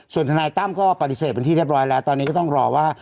ส่วนทนายตั้มก็ปฏิเสธเป็นที่เรียบร้อยแล้วตอนนี้ก็ต้องรอว่า